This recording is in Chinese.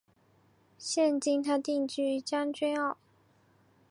现今她定居于将军澳。